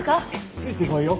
ついてこいよ。